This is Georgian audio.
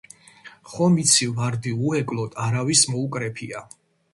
ხომ იცი ვარდი უეკლოდ არავის მოუკრეფია